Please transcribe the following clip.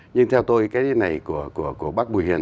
nhưng theo tôi cái này của bác bùi hiền